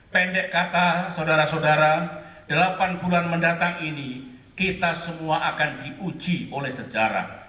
pendek kata saudara saudara delapan bulan mendatang ini kita semua akan diuji oleh sejarah